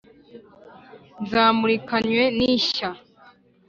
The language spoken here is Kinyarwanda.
Zamurikanywe n’ishya